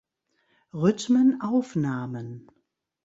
Rhythmen" aufnahmen.